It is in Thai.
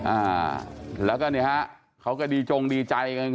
อ่าแล้วก็เนี่ยฮะเขาก็ดีจงดีใจกัน